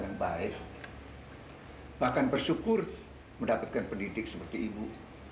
yang baik bahkan bersyukur mendapatkan pendidik seperti ibu